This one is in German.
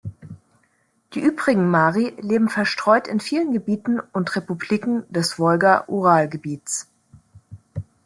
Die übrigen Mari leben verstreut in vielen Gebieten und Republiken des Wolga-Ural-Gebiets.